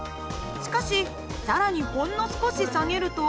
しかし更にほんの少し下げると。